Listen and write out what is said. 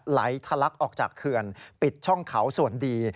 ไหลทะลักออกจากเขื่อนปิดช่องเขาส่วนดี